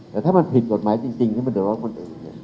แต่ถ้ามันผิดกฎหมายจริงนี่มันเดือดร้อนคนอื่นเนี่ย